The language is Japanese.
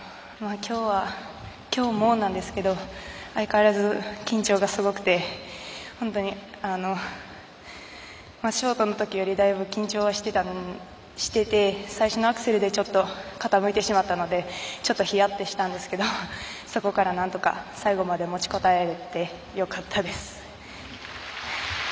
きょうはきょうもなんですけど相変わらず緊張がすごくて本当にショートのときよりだいぶ緊張はしてて最初のアクセルでちょっと傾いてしまったのでちょっとヒヤッとしたんですけどそこから、なんとか最後まで持ちこたえられてよかったです。